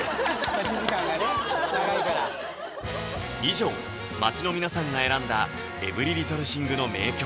待ち時間がね長いから以上街の皆さんが選んだ「ＥｖｅｒｙＬｉｔｔｌｅＴｈｉｎｇ」の名曲